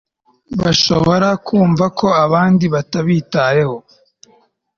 bashobora kumva ko abandi batabitayeho